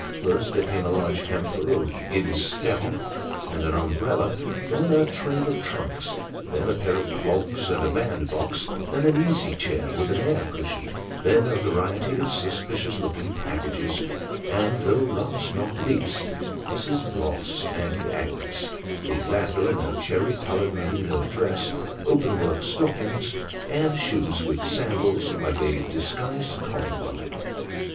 First, there came a large hamper of Guinness's stout, and an umbrella ; then, a train of trunks ; then, a pair of clogs and a bandbox ; then, an easy chair with an air cushion ; then, a variety of suspicious looking packages ; and " though last not least " Mrs. Bloss and Agnes : tho latter in a cherry coloured merino dress, open work stockings, and shoes with sandals : like a disguised Columbine.